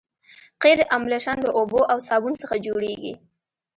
قیر املشن له اوبو او صابون څخه جوړیږي